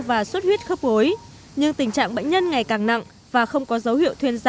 và suốt huyết khớp gối